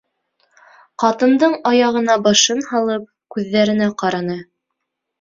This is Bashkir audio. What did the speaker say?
Ҡатындың аяғына башын һалып, күҙҙәренә ҡараны.